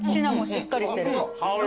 しっかりしてる。